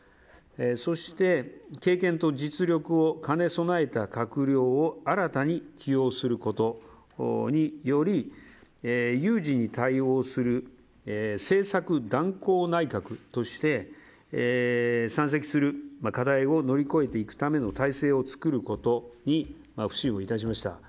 そして、経験と実力を兼ね備えた閣僚を新たに起用することに有事に対応する政策断行内閣として山積する課題を乗り越えていくための体制を作ることに苦心をいたしました。